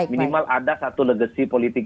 minimal ada satu legacy politik